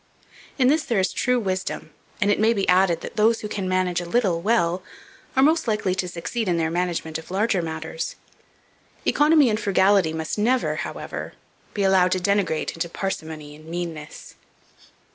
In this there is true wisdom, and it may be added, that those who can manage a little well, are most likely to succeed in their management of larger matters. Economy and frugality must never, however, be allowed to degenerate into parsimony and meanness.